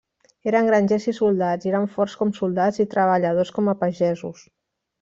Eren grangers i soldats, i eren forts com soldats i treballadors com a pagesos.